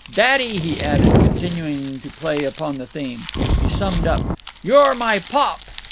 "Daddy," he added, continuing to play upon the theme. He summed up. "You're my pop."